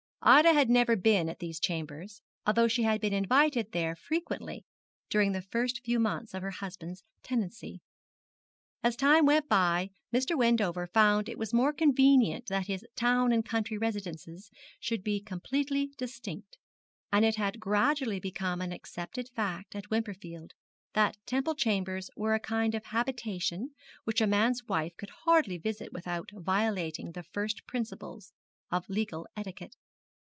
Ida had never been at these chambers, although she had been invited there frequently during the first few months of her husband's tenancy. As time went by Mr. Wendover found it was more convenient that his town and country residences should be completely distinct; and it had gradually become an accepted fact at Wimperfield that Temple Chambers were a kind of habitation which a man's wife could hardly visit without violating the first principles of legal etiquette.